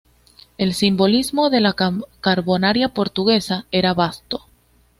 El simbolismo de la Carbonaria Portuguesa era vasto.